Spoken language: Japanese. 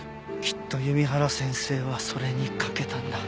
きっと弓原先生はそれに賭けたんだ。